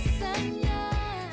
udah gak ada